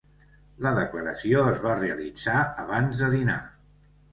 La declaració es va realitzar abans de dinar.